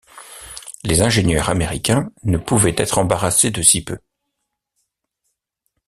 Les ingénieurs américains ne pouvaient être embarrassés de si peu.